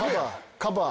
カバー。